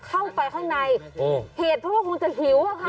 เข้าไปข้างในเหตุเพราะว่าคงจะหิวอะค่ะ